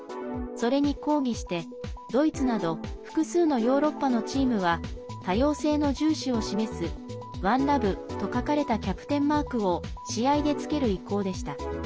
それに抗議して、ドイツなど複数のヨーロッパのチームは多様性の重視を示す「ＯＮＥＬＯＶＥ」と書かれたキャプテンマークを試合でつける意向でした。